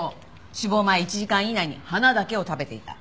死亡前１時間以内に花だけを食べていた。